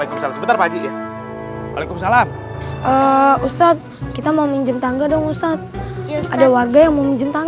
kuping kita udah kayak pancingan